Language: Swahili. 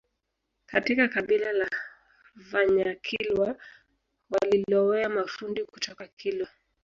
Katika kabila la Vanyakilwa walilowea mafundi kutoka kilwa